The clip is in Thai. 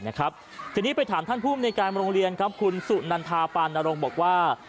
ทีนี้ไปถามท่านผู้มนิการโรงเรียนคุณสุนันทาปานรงบอกว่า